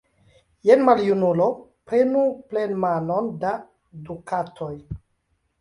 Jen, maljunulo, prenu plenmanon da dukatoj!